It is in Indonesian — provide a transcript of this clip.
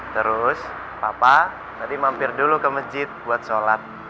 terus papa tadi mampir dulu ke masjid buat sholat